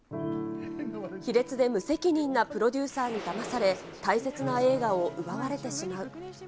卑劣で無責任なプロデューサーにだまされ、大切な映画を奪われてしまう。